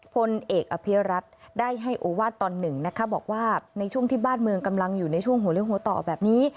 พลเอกอภิรัตน์ได้ให้โอวาสตอนหนึ่งนะคะบอกว่าในช่วงที่บ้านเมืองกำลังอยู่ในช่วงหัวเลี้ยหัวต่อแบบนี้